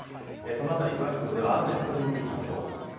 その辺り、詳しく雨の予想で見ていきましょう。